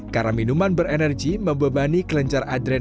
karena minuman berenergi membebani kelencar adrenal